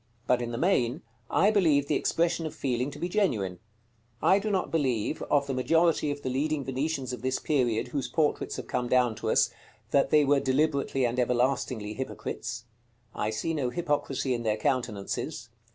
But in the main, I believe the expression of feeling to be genuine. I do not believe, of the majority of the leading Venetians of this period whose portraits have come down to us, that they were deliberately and everlastingly hypocrites. I see no hypocrisy in their countenances.